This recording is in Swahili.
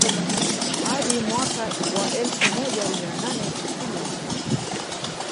Hadi mwaka wa elfu moja mia nane tisini na tatu